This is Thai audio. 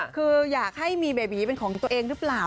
คืออยากให้มีเบบีเป็นของตัวเองหรือเปล่า